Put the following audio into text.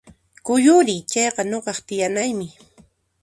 Kuyuriy! Chayqa nuqaq tiyanaymi